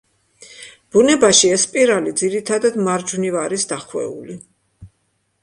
ბუნებაში ეს სპირალი ძირითადად მარჯვნივ არის დახვეული.